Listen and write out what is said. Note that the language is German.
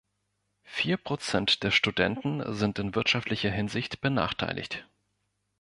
Vier Prozent der Studenten sind in wirtschaftlicher Hinsicht benachteiligt.